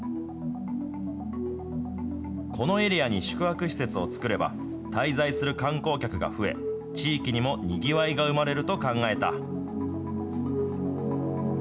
このエリアに宿泊施設を作れば、滞在する観光客が増え、地域にもにぎわいが生まれると考えた。